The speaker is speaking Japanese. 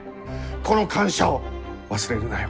この感謝を忘れるなよ。